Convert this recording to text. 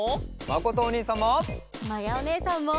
まことおにいさんも。